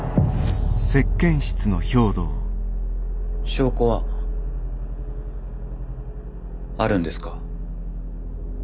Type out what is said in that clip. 証拠はあるんですか？